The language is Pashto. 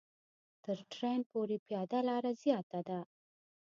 تر ټرېن پورې پیاده لاره زیاته ده.